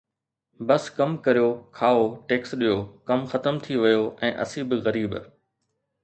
بس ڪم ڪريو، کائو، ٽيڪس ڏيو، ڪم ختم ٿي ويو ۽ اسين به غريب